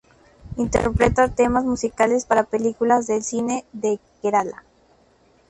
Interpreta temas musicales para películas del cine de Kerala.